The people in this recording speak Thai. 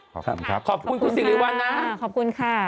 ขอบคุณครับขอบคุณคุณสิริวัลนะขอบคุณค่ะ